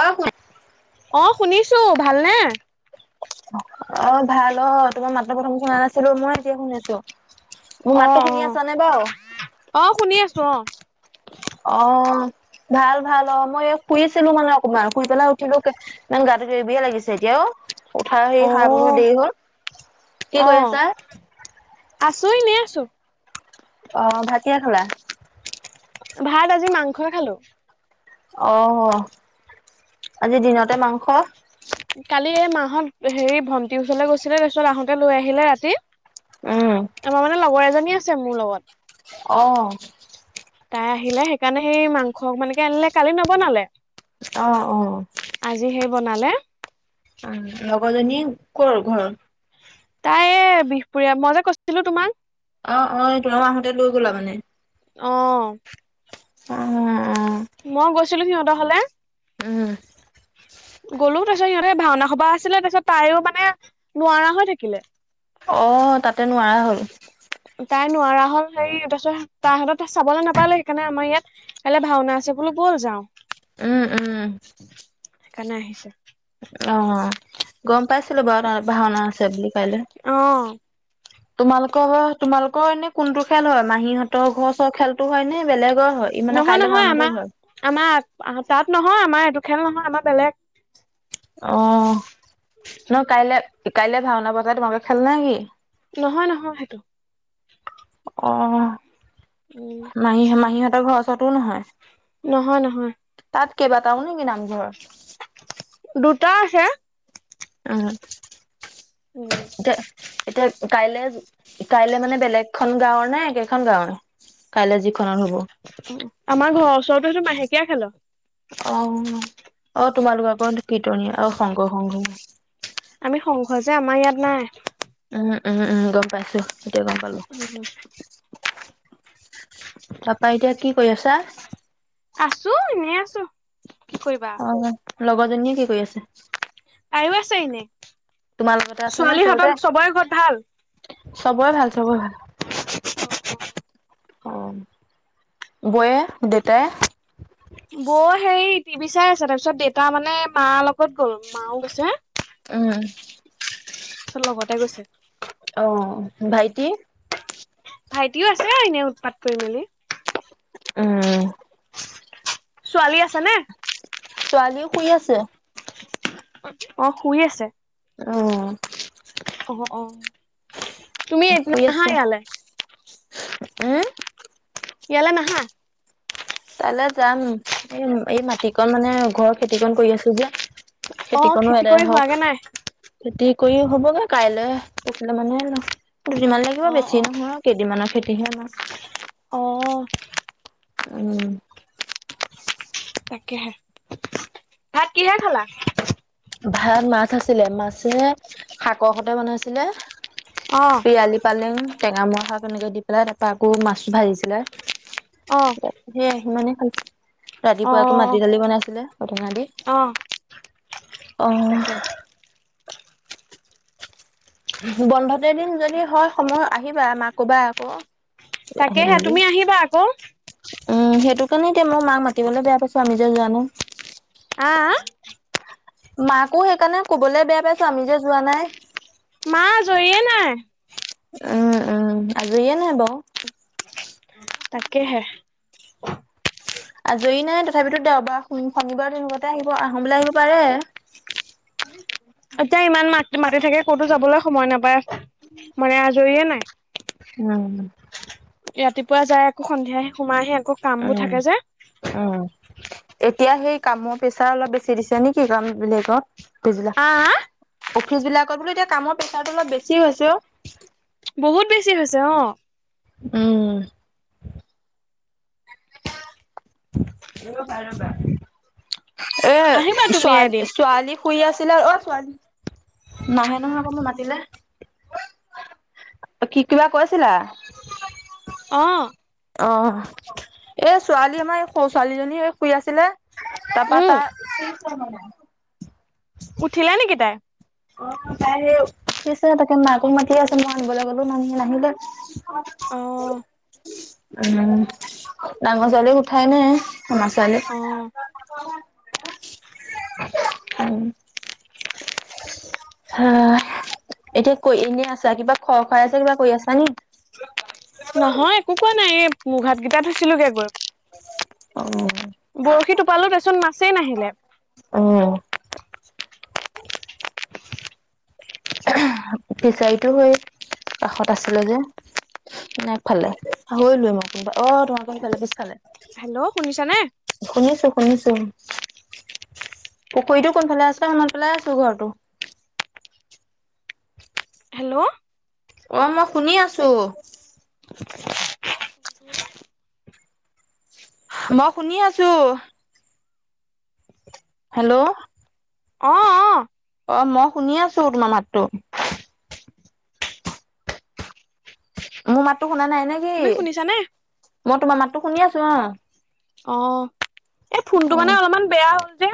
অ শুনা অ শুনিছো ভালনে? অ ভাল অ তোমাৰ মাত্ৰ প্ৰথম শুনা নাছিলো মই এতিয়া শুনি আছো মোৰ অ মাতটো অ অ শুনি আছো অ অ ভাল ভাল অ মই এই শুই আছিলো মানে অকমান শুই পেলাই উঠিলো ইমান গাটো কিবা কিবি লাগিছে এতিয়াও উঠাৰ সেই অ অ হাৰ পাব দেৰি হ'ল কি অ কৰি আছা আছো এনেই আছো অ ভাত কিহে খালা ভাত আজি মাংসই খালো অ আজি দিনতে মাংস কালি এই মাহত হেৰি ভণ্টিৰ ওচৰলৈ গৈছিলে তাৰপিছত আহোতে লৈ আহিলে ৰাতি উম আমাৰ মানে লগৰ এজনী আছে মোৰ লগত অ তাই আহিলে সেইকাৰণে সেই মাংস অকমানকে আনিলে কালি নবনালে অ অ আজি সেই বনালে আহ লগৰজনী কৰ ঘৰ তাই বিহপুৰীয়া, মই যে কৈছিলো তোমাক অ অ তেওঁ আহোতে লৈ গ'লা মানে অ অ অ মই গৈছিলো সিহঁতৰ ঘলে উম গ'লো তাৰপিছত সিহঁতে ভাওনা সভা আছিলে তাৰপিছত তায়ো মানে নোৱাৰা হৈ থাকিলে অ তাতে নোৱাৰা হ'ল তাই নোৱাৰা হল হেৰি তাৰপিছত তাহত চাবলে নাপালেই সেইকাৰণে আমাৰ ইয়াত কাইলে ভাওনা আছে বোলো বল যাওঁ উম উম সেইকাণে আহিছে অ গম পাইছিলো বাওঁ ভাওনা আছে বুলি কাইলে অ তোমালোকৰ তোমালোকৰ এনে কোনটো খেল হয় মাহীত ত ঘৰ ওচৰৰ খেলতো হয় নে বেলেগ নহয় নহয় আমাৰ আমাৰ তাত নহয় আমাৰ এইটো খেল নহয় আমাৰ বেলেগ। অ নহয় কাইলে কাইলে ভাওনা পতা তোমালোকে খেল নে কি? নহয় নহয় সেইটো। অ। উম। মাহী মাহীহঁতৰ ঘৰৰ ওচৰতো নহয়? নহয় নহয়। তাত কেইবাটাও নেকি নামঘৰ? দুটা আছে। উম উম এতিয়া এতিয়া কাইলে কাইলে মানে বেলেগখন গাঁৱৰ নে একেখন গাঁৱৰে? কাইলে যিখনত হ'ব। আমাৰ ঘৰৰ ওচৰতো সেইটো মাহেকীয়া খেলৰ। অ অ তোমালোক আক কীৰ্তনীয়া অ সংকৰ সংঘ। আমি সংঘ যে আমাৰ ইয়াত নাই। ওহ ওহু ওহু গম পাইছো। এতিয়া গম পালো উম হ [inaudible] তাৰপা এতিয়া কি কৰি আছা? আছো এনেই আছো। কৰিবা অ লগৰজনীয়ে কি কৰি আছে? তাইয়ো আছে এনেই, তোমাৰ লগতে আছে নে ওচৰতে ছোৱালীহতৰ চবৰে ঘৰত ভাল? চবৰে ভাল চবৰে ভাল। অ বৌয়ে দেউতাই? বৌ হেৰি টিভি চাই আছে, তাৰপিছত দেউতা মানে মাৰ লগত গ'ল মাও গৈছে। উম তাৰপিছত লগতে গৈছে উম্ [inaudible] অ ভাইটি? ভাইটিও আছে এনেই উৎপাত কৰি মেলি? উম। ছোৱালী আছে নে? ছোৱালীও শুই আছে। অ শুই আছে? অঁ। অ অ। তুমি এদিন শুই নাহা আছে ইয়ালে? উম ইয়ালে নাহা? তালে যাম এই এই মাটিকণ মানে ঘৰৰ খেতি কন কৰি আছো যে। অ খেতিকনো খেতি এদায় কৰি হওক। হোৱাগে নাই খেতি কৰি হ'বগে কাইলে পখিলে মানে, দুদিমান লাগিব অ বেছি অ নহয়। কেইদিনমানৰ খেতিহে আমাৰ। অ উম। তাকেহে ভাত কিহে খালা? ভাত মাছ আছিলে, মাছে শাকৰ সতে বনাইছিলে, অ পিয়ালি পালেং টেঙামৰ শাক এনেকে দি পেলাই তাৰপৰা আকৌ মাছটো ভাজিছিলে। অ সেয়াই সিমানে খাইছো, অ ৰাতিপুৱা আকৌ মাটি দালি বনাইছিলে ঔটেঙা দি। অ অঁহ। তাকে বন্ধ কেইদিন যদি হয় সময় আহিবা মাক কবা আক আহিম তাকেহে বুলি। তুমি আহিবা আকৌ। অঁ সেইটো কাৰণে এতিয়া মই মাক মাতিবলে বেয়া পাইছো আমি যে যোৱা নাই। আ আ মাকো সেইকাৰণে ক'বলৈ বেয়া পাইছো আমি যে যোৱা নাই মা আজয়িয়ে নাই উম উম আজৰিয়ে নাই বাৱ তাকেহে আজৰি নাই তথাপিতো দেওবাৰ শনিবাৰ তেনেকুৱাতে আহিব আহো বুলিলে আহিব পাৰে এতিয়া ইমান মা মাতি থাকে ক'তো যাবলৈ সময় নাপায় মানে আজৰিয়ে নাই উম ৰাতিপুৱা যাই আকৌ সন্ধিয়াহে সোমাই হে আক উম উম এতিয়া সেই কামৰ প্ৰেচাৰ অলপ বেছি দিছে নেকি কাম বিলগত অফিচবেলা আহ অফিচ বিলাকত বোলো এতিয়া কামৰ প্ৰেচাৰটো অলপ বেছি হৈছে অ বহুত বেছি হৈছে অহ উম ৰবা ৰবা আহিবা এ তুমি এদিন ছোৱালী ছোৱালী শুই আছিলে অ ছোৱালী নাহে নহয় মই ক মাতিলে কি কিবা কৈছিলা অহ অহ এ ছোৱালী আমাৰ সৰু ছোৱালীজনী শুই আছিলে তাপা উম তাই উঠিলে নেকি তাই অ তাই সেই উঠিছে তাকে মাকক মাতিয়ে আছে মই আনিবলৈ গ'লো না নাহিলে অ উম ডাঙৰ ছোৱালী উঠাই নাই ডাঙৰ ছোৱালী অ [unintelligible] উম হা এতিয়া কয়ি এনে আছা কিবা খো খোৱাই আছা কিবা কয়ি আছা নি নহয় একো কোৱা নাই এই মুখ- হাতকেইটা ধুইছিলো গে গৈ অ বৰশী টোপালো গেচোন মাছেই নাহিলে অ আ'হ ফিচাৰিতো সেই কাষত আছিলে যে না আগফালে পাহৰিলোৱে মই কিবা অ তোমালোকৰ সেইফালে পিছফালে হেল্ল' শুনিছানে শুনিছো শুনিছো পুখুৰীটো কোনফালে আছে মনত পেলাই আছো ঘৰটো হেল্ল অ মই শুনি আছো মই শুনি আছো হেল্ল অ অ অ মই শুনি আছো তোমাৰ মাততো মোৰ মাততো শুনা নাই নে কি? তুমি শুনিছা নে মই তোমাৰ মাততো শুনি আছো অ অ এই ফোনটো মানে অ', অলপমান বেয়া হৈছে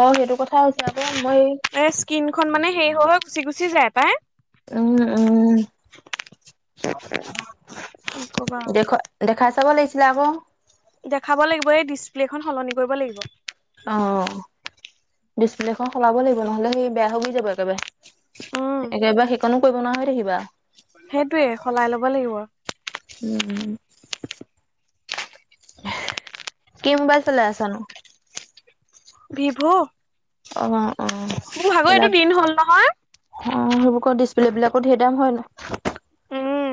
অ সেইটো কথা হৈছে আক মই এই এ স্কিনখন মানে হেৰি হৈ হৈ গুচি গুচি যায় পাই উম উম কি কবা আৰু। দেখ- দেখাই চাব লাগিছিলে আক দেখাব লাগিব এই ডিচপ্লেখন সলনি কৰিব লাগিব। অঁ ডিচপ্লেখন সলাব লাগিব নহলে সি বেয়া হ গৈ যাব একেবাৰে। উম একেবাৰে সেইকনো কৰিব নোৱাৰ হৈ থাকিবা। সেইটোৱে সলাই ল'ব লাগিব। উম উম কি মোবাইল চলাই আছানো? ভিভু অ', অ', মোৰ ভাগৰ এইটো দিন হ'ল নহয়। অঁ, সেইবোৰ ক ডিচপ্লে বিলাকো ধেৰ দাম হয় নাই উম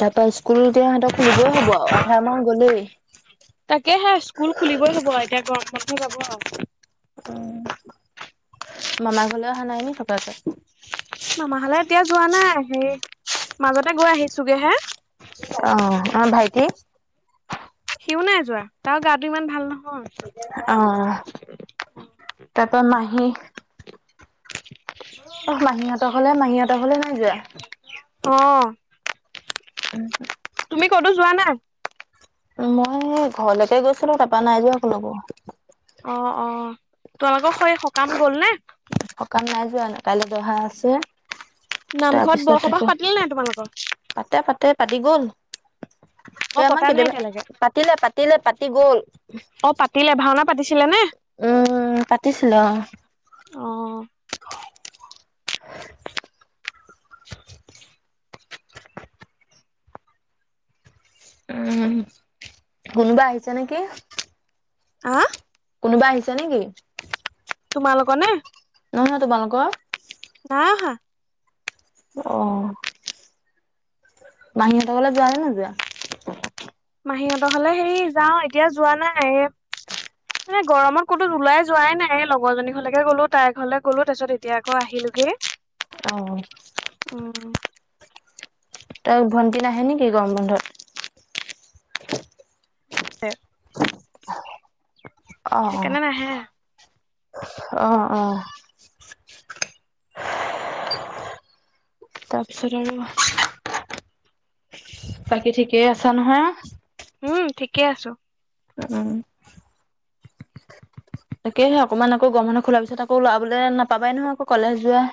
তাপা স্কুল এতিয়া সিহঁত খুলিবই হ'ব আও আধা মাহ গলেই। তাকে হে স্কুল খুলিবই হ'ব এতিয়া ঘৰখনহে পাব আও, অ মামা ঘৰলৈ অহা নাই নি থকা কে? মামাঘলে এতিয়া যোৱা নাই সেই মাজতে গৈ আহিছোগে হে। অঁ আমা ভাইটি, সিও নাই যোৱা তাৰ গাটো ইমান ভাল নহয়। অঁ তাপা মাহী অহ মাহীহঁতক ঘলে মাহীহঁত ঘলে নাই যোৱা? অ [unintelligible] তুমি ক'তো যোৱা নাই? মই ঘৰলেকে গৈছিলো তাপা নাই যোৱা কলৈকো। অ অ তোমালোকৰ হৈ সকাম গ'ল নে? সকাম নাই যোৱানো কাইলৈ দহা আছে। নামঘৰত তাৰপিছত আকৌ বৰসবাহ পাতিলে নাই তোমালোকৰ? পাতে পাতে পাতি গ'ল। সেয়া অ' আমাৰ পতা নাই এতিয়ালৈকে কেতিয়াবা পাতিলে, পাতিলে পাতি গ'ল। অ' পাতিলে ভাওনা পাতিছিলে নে? উম পাতিছিলে অ। অ' উম কোনোবা আহিছে নেকি আ কোনোবা আহিছে নেকি? তোমালোকৰ নে? নহয় তোমালোকৰ না অহা অ মাহীহঁতৰ ঘৰলে যোৱা নে নোযোৱা? মাহীহঁতৰ ঘৰলে হেৰি যাওঁ এতিয়া যোৱা নাই এ [unintelligible] মানে গৰমত ক'তো ওলাই যোৱাই নাই এ লগৰজনী ঘৰলৈকে গ'লো তাইৰ ঘৰলে গ'লো তাৰপিছত এতিয়া আকৌ আহিলোগে। অ অ তই ভণ্টি নাহে নেকি গৰম বন্ধত ছে অ সেইকাণে নাহে। অ অ তাৰপিছত আৰু বাকি ঠিকেই আছা নহয়? উম ঠিকে আছোঁ। উম তাকেহে, অকণমান আকৌ গৰম বন্ধ খোলাৰ পিছত আকৌ ল'ৰাই বোলে নাপাবাই নহয় আকৌ কলেজ যোৱা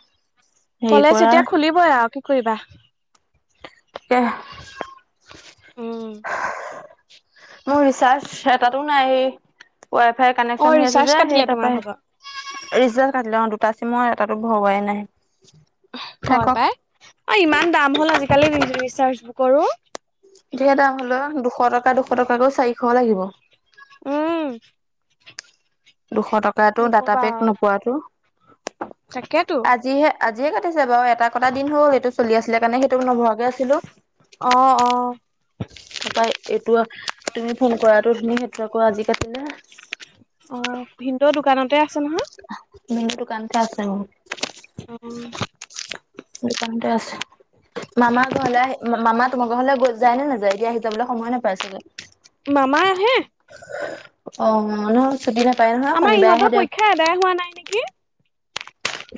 হেৰি কলেজ কৰা এতিয়া খুলিবই আৰু কি কৰিবা। তাকে উম মোৰ ৰিচাৰ্জ এটাতো নাই, ৱাই ফাই অ কানেকচন হৈ আছে ৰিচাৰ্জ যে কাটিলে সেই তাৰ তোমাৰ পৰা ভাগৰ ৰিচাৰ্ছ কাটিলে অ দুটা চিমৰ এটাতো ভৰোৱাই নাই। হয় থাকক পাই, অ ইমান দাম হ'ল আজিকালি ৰিচাৰ্ছ বুকৰো। ধেৰ দাম হল ও, দুশ টকা, দুশ টকা কৈ চাৰিশ লাগিব। উম দুশ টকাটো ডাটা নকবা পেক আৰু। নোপোৱাটো, তাকেতো আজিহে আজিয়ে কাটিছে বাৰু এটা কটা দিন হ'ল, সেইটো চলি আছিলে কাৰণে সেইটো নভোৱাকে আছিলো। অ অ তাপাই এইটো তুমি ফোন কৰাটো তুমি সেইটো আকৌ আজি কাটিলে। অ, ভিনদেউ দোকানতে আছে? নহয় উম, দোকানতে আছে অ। দোকানতে আছে। মামা ঘৰলৈ আহিলে, মামা তোমালোকৰ ঘৰলৈ যায় নে নাযায়? এতিয়া আহি যাবলৈ সময় নাপাই চাগে? মামাই আহে। অহ চুটি নাপাই নহয়? আমাৰ শনিবাৰে আহে ইহঁতৰ দেও পৰীক্ষা আদায় হোৱা নাই নেকি?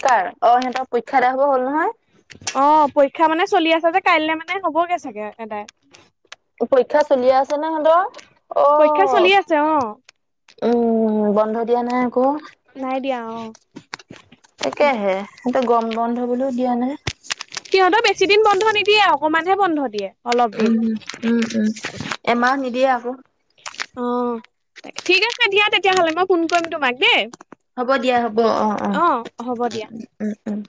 কাৰ? অ সিহঁতৰ? পৰীক্ষা আদাই হব হ'ল নহয় অ পৰীক্ষা মানে চলি আছে যে, কাইলৈ মানে হবগে চাগে এদাই পৰীক্ষা চলি আছে নে সিহঁতৰ? অ পৰীক্ষা চলি আছে অ উম, বন্ধ দিয়া নাই আক। নাই দিয়া অ তাকে তাকেহে, সিহঁতৰ গৰম বন্ধ হ'বলৈও দিয়া নাই। সিহঁতৰ বেছি দিন বন্ধ নিদিয়ে, অকমানহে বন্ধ দিয়ে। অলপ দিন উম উম উম উম, এমাহ নিদিয়ে আকৌ অ, তাক ঠিক আছে দিয়া তেতিয়াহলে মই ফোন কৰিম তোমাক দেই? হ'ব দিয়া হ'ব অ অ হ'ব দিয়া উ উম উম।